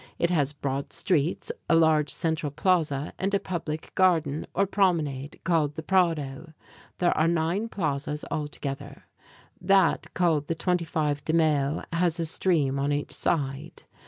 It has broad streets, a large central plaza and a public garden, or promenade, called the Prado. There are nine plazas altogether. That called the "25 de Mayo" has a stream on each side.